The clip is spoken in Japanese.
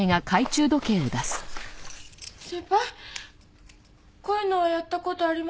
こういうのはやったことありますか？